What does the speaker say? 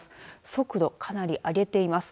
速度、かなり上げています。